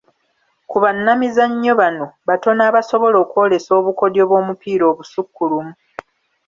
Ku bannabyamizannyo bano batono abasobola okwolesa obukodyo bw'omupiira obusukkulumu.